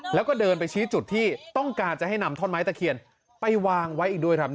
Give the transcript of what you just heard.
แล้วก็เดินไปชี้จุดที่ต้องการจะให้นำท่อนไม้ตะเคียนไปวางไว้อีกด้วยครับ